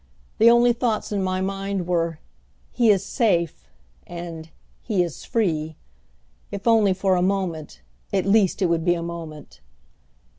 The only thoughts in my mind were, "He is safe!" and "He is free!" If only for a moment, at least it would be a moment!